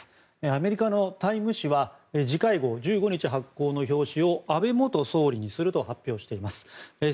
アメリカの「タイム」誌は次回号、１５日発行の表紙を安倍元総理にすると発表しています。